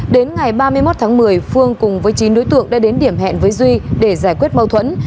đến ngày ba mươi một tháng một mươi phương cùng với chín đối tượng đã đến điểm hẹn với duy để giải quyết mâu thuẫn